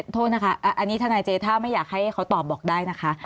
โทษนะคะอันนี้ทนายเจท่าไม่อยากให้เขาตอบบอกได้นะคะ